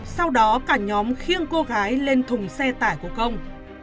sau đó cả nhóm khiêng cô gái lên thùng xe tải của công